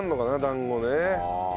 団子ね。